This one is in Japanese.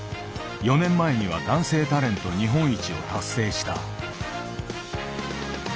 ４年前には男性タレント日本一を達成した。